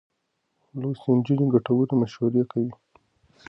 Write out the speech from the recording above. لوستې نجونې ګټورې مشورې ورکوي.